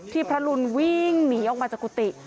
พระรุนวิ่งหนีออกมาจากกุฏิ